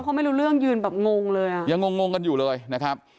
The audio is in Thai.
เขาไม่รู้เรื่องยืนแบบงงเลยอ่ะยังงงงกันอยู่เลยนะครับ